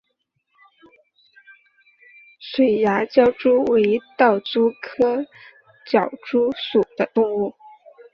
水涯狡蛛为盗蛛科狡蛛属的动物。